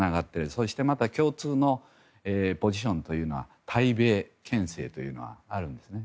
そしてまた共通のポジションというのは対米牽制というのはあるんですね。